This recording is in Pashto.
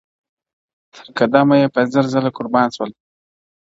تر قدمه يې په زر ځله قربان سول-